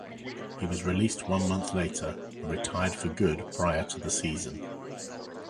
He was released one month later, and retired for good prior to the season.